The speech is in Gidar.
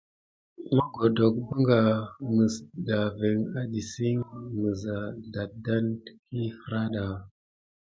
Mogodonk pəka nisa kivin à tisik misa dedane tiki feranda.